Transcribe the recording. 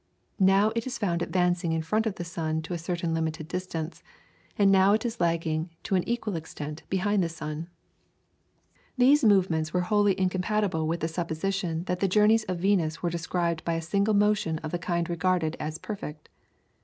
Now it is found advancing in front of the sun to a certain limited distance, and now it is lagging to an equal extent behind the sun. [FIG. 1. PTOLEMY'S PLANETARY SCHEME.] These movements were wholly incompatible with the supposition that the journeys of Venus were described by a single motion of the kind regarded as perfect.